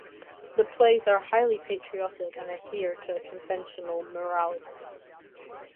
The plays are highly patriotic and adhere to conventional morality.